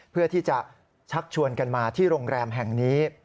เพื่อที่จะชักชวนกันมาที่โรงแรมแห่งนี้